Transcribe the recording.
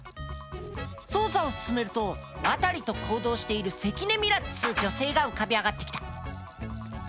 捜査を進めると渡と行動している関根ミラっつう女性が浮かび上がってきた。